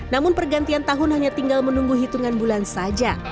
namun pergantian tahun hanya tinggal menunggu hitungan bulan saja